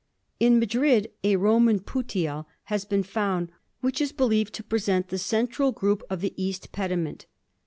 In Madrid a Roman puteal has been found which is believed to present the central group of the east pediment.